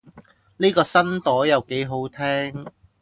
呢個新朵又幾好聽